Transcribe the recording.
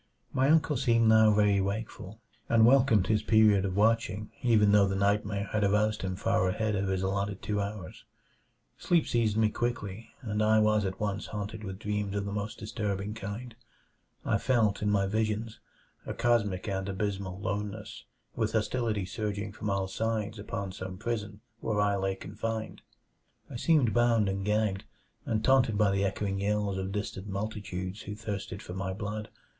My uncle seemed now very wakeful, and welcomed his period of watching even though the nightmare had aroused him far ahead of his allotted two hours. Sleep seized me quickly, and I was at once haunted with dreams of the most disturbing kind. I felt, in my visions, a cosmic and abysmal loneness; with hostility surging from all sides upon some prison where I lay confined. I seemed bound and gagged, and taunted by the echoing yells of distant multitudes who thirsted for my blood.